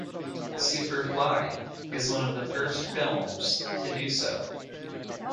Super Fly is one of the first films to do so.